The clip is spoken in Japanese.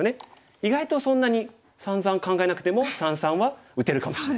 意外とそんなにさんざん考えなくても三々は打てるかもしれない。